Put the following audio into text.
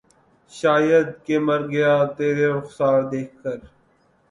شاید کہ مر گیا ترے رخسار دیکھ کر